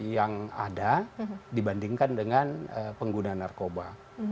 yang ada dibandingkan dengan pengguna narkoba